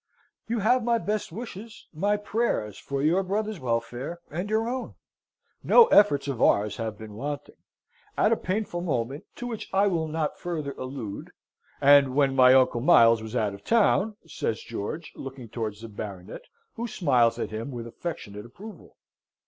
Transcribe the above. You have my best wishes, my prayers, for your brother's welfare and your own. No efforts of ours have been wanting. At a painful moment, to which I will not further allude " "And when my uncle Sir Miles was out of town," says George, looking towards the Baronet, who smiles at him with affectionate approval.